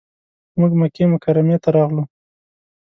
موږ مکې مکرمې ته راغلو.